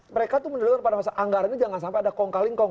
mereka tuh mendengar pada masa anggaran ini jangan sampai ada kong kaling kong